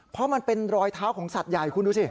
เพราะมันเป็นรอยเท้าของสัตว์ใหญ่คุณดูสิ